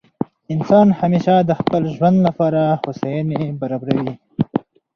انسان همېشه د خپل ژوند له پاره هوسایني برابروي.